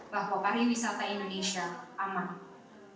bahwa pariwisata indonesia aman